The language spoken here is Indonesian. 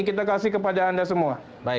kita kasih kepada anda semua